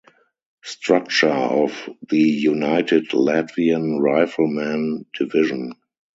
Structure of the United Latvian Riflemen division.